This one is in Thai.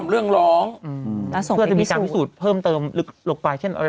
เวลาจะมีการพิสูจน์เพิ่มเติมลึกลงไป